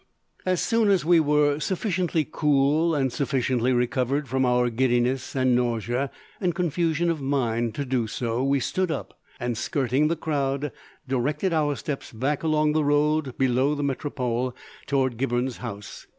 As soon as we were sufficiently cool and sufficiently recovered from our giddiness and nausea and confusion of mind to do so we stood up and, skirting the crowd, directed our steps back along the road below the Metropole towards Gibberne's house.